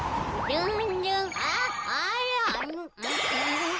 ルン！